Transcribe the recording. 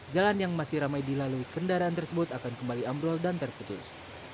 jalan yang masih ramai dilalui kendaraan tersebut akan kembali ambrol dan terputus